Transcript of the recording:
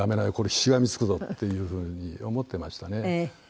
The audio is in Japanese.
しがみつくぞ！っていう風に思ってましたね。